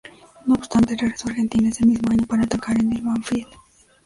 No obstante, regresó a Argentina ese mismo año para atajar en el Banfield.